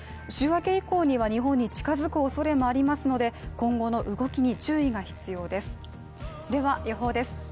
週明け以降には日本に近づくおそれがありますので、今後の動きに注意が必要です。